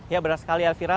ya benar sekali elvira